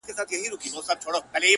لاندي مځکه هره لوېشت ورته سقر دی-